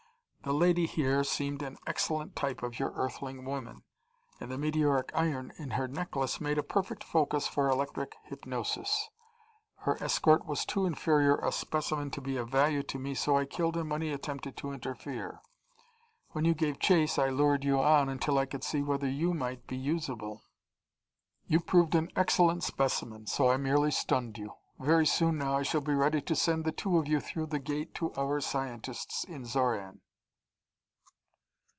The lady here seemed an excellent type of your Earthling women, and the meteoric iron in her necklace made a perfect focus for electric hypnosis. Her escort was too inferior a specimen to be of value to me so I killed him when he attempted to interfere. When you gave chase I lured you on until I could see whether you might be usable. You proved an excellent specimen, so I merely stunned you. Very soon now I shall be ready to send the two of you through the Gate to our scientists in Xoran."